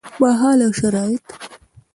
مهال او شرايط: